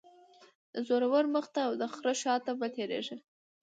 - د زورور مخ ته او دخره شاته مه تیریږه.